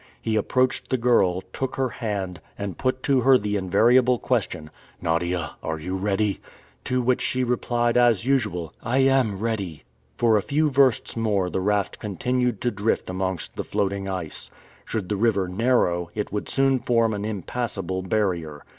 He approached the girl, took her hand, and put to her the invariable question: "Nadia, are you ready?" to which she replied as usual, "I am ready!" For a few versts more the raft continued to drift amongst the floating ice. Should the river narrow, it would soon form an impassable barrier.